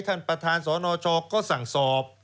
ท่านประธานสนชก็สั่งสอบ